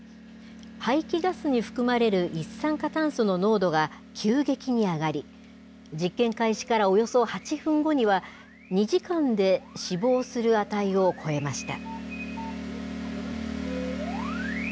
排気ガスに含まれる一酸化炭素の濃度が急激に上がり、実験開始からおよそ８分後には、２時間で死亡する値を超えました。